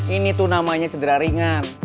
ini tuh namanya cedera ringan